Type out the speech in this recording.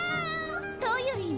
どういう意味？